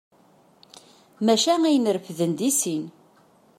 Maca ayen refden deg sin.